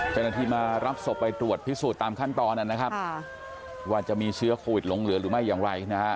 เจ้าหน้าที่มารับศพไปตรวจพิสูจน์ตามขั้นตอนนะครับว่าจะมีเชื้อโควิดหลงเหลือหรือไม่อย่างไรนะฮะ